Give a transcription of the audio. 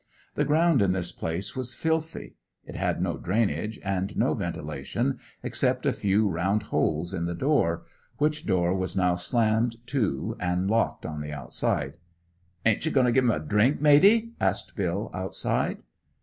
The ground in this place was filthy. It had no drainage and no ventilation, except a few round holes in the door; which door was now slammed to and locked on the outside. "Ain't ye goin' to give 'im a drink, matey?" asked Bill, outside.